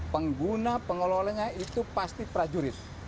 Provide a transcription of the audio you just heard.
pengguna pengelolanya itu pasti prajurit